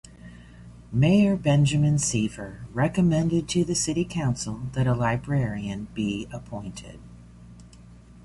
Mayor Benjamin Seaver recommended to the city council that a librarian be appointed.